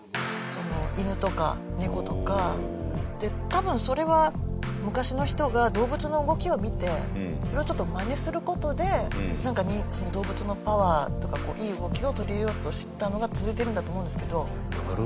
多分それは昔の人が動物の動きを見てそれをちょっとマネする事で動物のパワーとかいい動きを取り入れようとしたのが続いてるんだと思うんですけど。